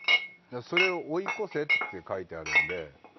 それを追い越せって書いてあるんで。